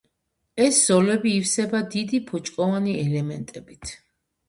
ეს ზოლები ივსება დიდი ბოჭკოვანი ელემენტებით.